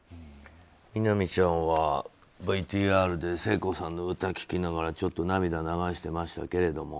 みなみちゃんはＶＴＲで聖子さんの歌聴きながらちょっと涙を流してましたけれども。